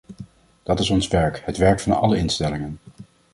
Dat is ons werk, het werk van alle instellingen.